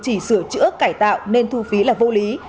chỉ sửa chữa cải tạo nên thu phí là vô lý